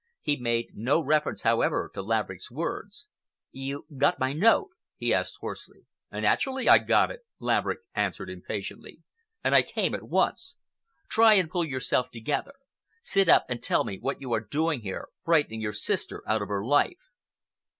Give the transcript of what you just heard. He made no reference, however, to Laverick's words. "You got my note?" he asked hoarsely. "Naturally I got it," Laverick answered impatiently, "and I came at once. Try and pull yourself together. Sit up and tell me what you are doing here, frightening your sister out of her life."